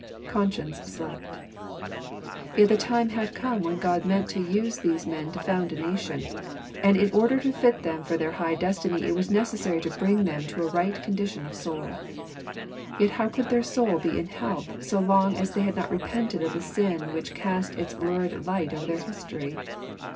Con science slept. Yet the time had come when God meant to use these men to found a nation. And in order to fit them for their high destiny it was necessary to bring them into a right condition of soul. Yet how could their soul be in health, so long as they had not repented of the sin which cast its lurid light over their history?